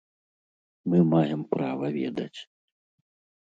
Мы маем права ведаць.